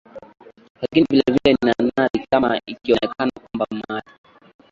lakini vilevile mi nadhani kama ikionekana kwamba hali